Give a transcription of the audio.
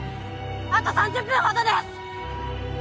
あと３０分ほどです！